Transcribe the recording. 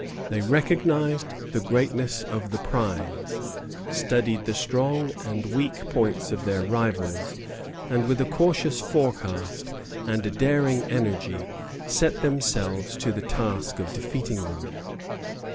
They recognized the greatness of the prize, studied the strong and weak points of their rivals, and with a cautious forecast and a daring energy set themselves to the task of defeating them.